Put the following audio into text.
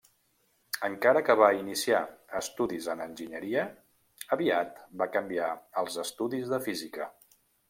Encara que va iniciar estudis en enginyeria, aviat va canviar als estudis de física.